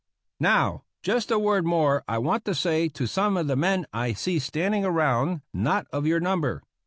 Now, just a word more I want to say to some of the men I see standing around not of vour number.